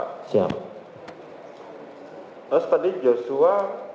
terus tadi joshua